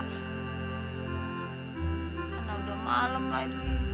karena udah malem lagi